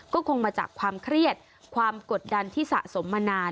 ก็คงมาจากความเครียดความกดดันที่สะสมมานาน